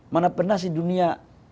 mana pernah si dunia